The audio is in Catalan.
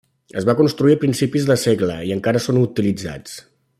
Es van construir a principis de segle i encara són utilitzats.